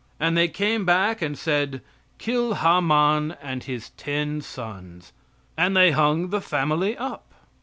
And they came back and said, "Kill Haman and his ten sons," and they hung the family up.